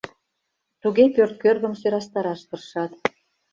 Туге пӧрт кӧргым сӧрастараш тыршат.